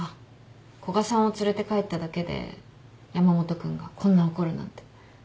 古賀さんを連れて帰っただけで山本君がこんな怒るなんて。